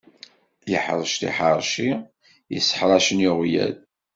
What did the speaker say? Iḥṛec tiḥeṛci yisseḥṛacen iɣwyal.